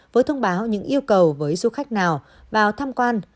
với thông báo những yêu cầu với du khách nào vào tham quan